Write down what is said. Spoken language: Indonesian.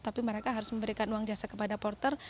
tapi mereka harus memberikan uang jasa kepada porter